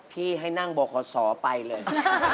พี่ให้นั่งบรคสอไปเลย